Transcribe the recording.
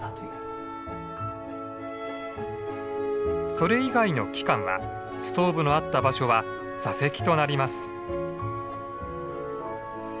それ以外の期間はストーブのあった場所は座席となります。